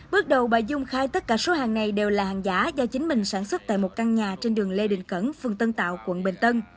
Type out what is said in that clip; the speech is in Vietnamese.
bước đầu bà dung khai tất cả số hàng này đều là hàng giả do chính mình sản xuất tại một căn nhà trên đường lê đình cẩn phường tân tạo quận bình tân